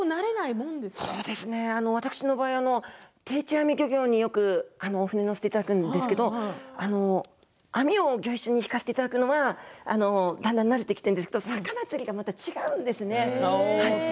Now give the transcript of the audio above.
私の場合定置網漁によくお船に乗せていただくんですけど網をギョ一緒に引かせていただくのはだんだん慣れてきたんですけど魚釣りはまた違うんですね。